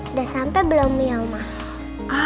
udah sampe belum ya oma